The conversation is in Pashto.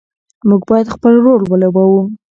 موږ باید خپل رول ولوبوو.